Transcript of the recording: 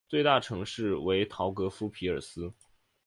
最大城市为陶格夫匹尔斯。